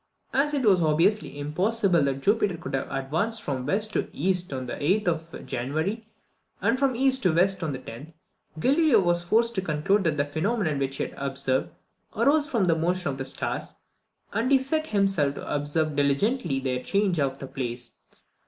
As it was obviously impossible that Jupiter could have advanced from west to east on the 8th of January, and from east to west on the 10th, Galileo was forced to conclude that the phenomenon which he had observed arose from the motion of the stars, and he set himself to observe diligently their change of place.